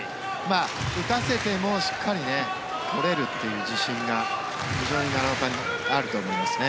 打たせてもしっかり取れるという自信が非常に奈良岡にあると思いますね。